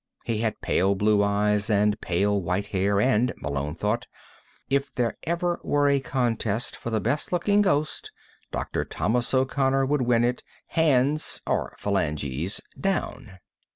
He had pale blue eyes and pale white hair and, Malone thought, if there ever were a contest for the best looking ghost, Dr. Thomas O'Connor would win it hands or phalanges down.